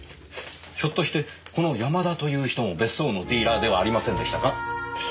ひょっとしてこの山田という人も別荘のディーラーではありませんでしたか？